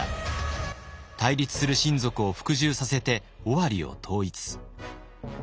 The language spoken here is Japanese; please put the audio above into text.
対立する親族を服従させて尾張を統一。